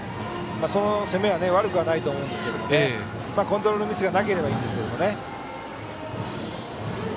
その攻めは悪くはないと思いますがコントロールミスがなければいいんですけどね。